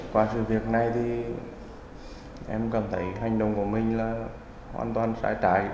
qua sự việc này thì em cảm thấy hành động của mình là hoàn toàn sai trái